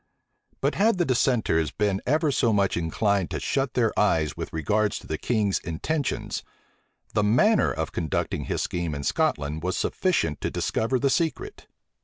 But had the dissenters been ever so much inclined to shut their eyes with regard to the king's intentions, the manner of conducting his scheme in Scotland was sufficient to discover the secret.